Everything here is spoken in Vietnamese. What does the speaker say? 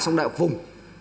xong đại học vùng